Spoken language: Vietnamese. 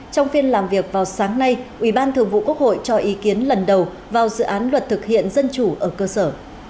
trong phiên làm việc vào sáng nay ủy ban thường vụ quốc hội cho ý kiến lần đầu vào dự án luật thực hiện dân chủ ở cơ sở